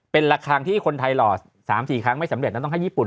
เป็นระครังที่คนไทยลอสามสี่ครั้งไม่สำเร็จต้องให้ญี่ปุ่นลอ